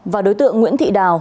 và đối tượng nguyễn thị đào